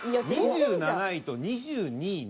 ２７位と２２位に。